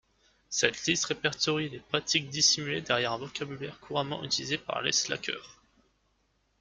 Cette liste répertorie les pratiques dissimulées derrière un vocabulaire couramment utilisé par les slackeurs.